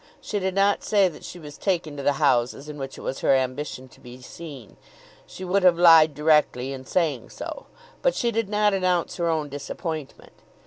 She did not say that she was taken to the houses in which it was her ambition to be seen. She would have lied directly in saying so. But she did not announce her own disappointment.